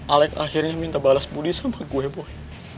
alex akhirnya minta balas budi sama gue boy